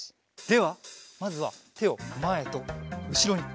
ではまずはてをまえとうしろに。